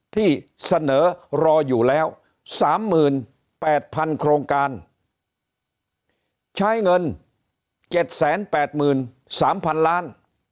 ที่เสนอรออยู่แล้ว๓๘๐๐๐โครงการใช้เงิน๗๘๓๐๐๐ล้าน